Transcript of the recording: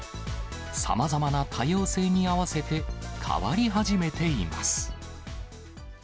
さまざまな多様性に合わせて、変わり始めています。